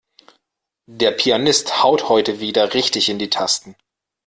Der Pianist haut heute wieder richtig in die Tasten.